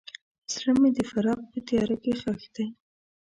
زړه مې د فراق په تیاره کې ښخ دی.